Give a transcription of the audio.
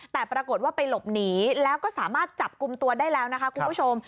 แต่ปรากฏว่าไปหลบหนีแล้วก็สามารถจับกลุ่มตัวได้แล้วนะคะคุณผู้ชม